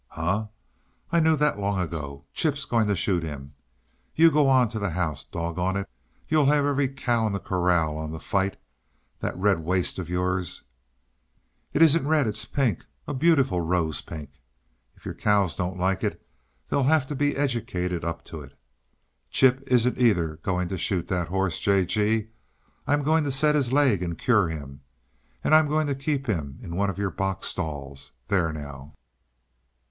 "Huh. I knew that long ago. Chip's gone to shoot him. You go on to the house, doggone it! You'll have every cow in the corral on the fight. That red waist of yours " "It isn't red, it's pink a beautiful rose pink. If your cows don't like it, they'll have to be educated up to it. Chip isn't either going to shoot that horse, J. G. I'm going to set his leg and cure him and I'm going to keep him in one of your box stalls. There, now!"